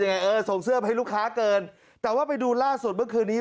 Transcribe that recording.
เออส่งเสื้อไปให้ลูกค้าเกินแต่ว่าไปดูล่าสุดเมื่อคืนนี้